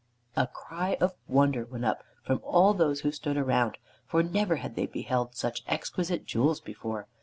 A cry of wonder went up from all those who stood around, for never had they beheld such exquisite jewels before.